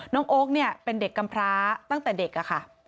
โอ๊คเนี่ยเป็นเด็กกำพร้าตั้งแต่เด็กค่ะ